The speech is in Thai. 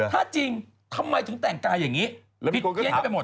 ถ้าจริงทำไมถึงแต่งกายอย่างนี้